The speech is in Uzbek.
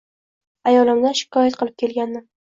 Ayolimdan shikoyat qilib kelgandim.